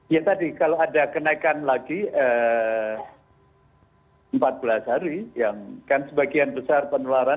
ya tadi kalau ada kenaikan lagi empat belas hari yang kan sebagian besar penularan